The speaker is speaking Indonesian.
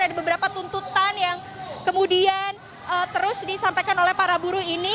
ada beberapa tuntutan yang kemudian terus disampaikan oleh para buruh ini